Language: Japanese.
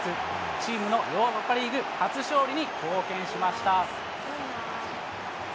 チームのヨーロッパリーグ初勝利に貢献しました。